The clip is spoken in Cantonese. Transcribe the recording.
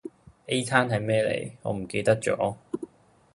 A 餐係咩嚟我唔記得咗